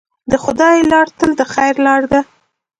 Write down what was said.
د خدای لاره تل د خیر لاره ده.